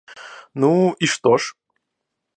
Ну, и что ж!